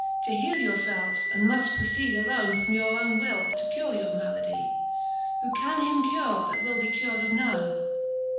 To heale your felves, and muft proceed alone From your owne will, to cure your maladie. Who can him cure, that will be cur'd of none